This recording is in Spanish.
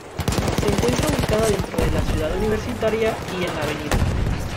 Se encuentra ubicada dentro de la ciudad universitaria y en la Av.